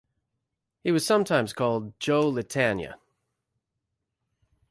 He was sometimes called "Joe" Lentaigne.